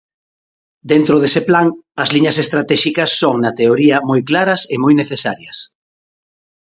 Dentro dese plan, as liñas estratéxicas son na teoría moi claras e moi necesarias.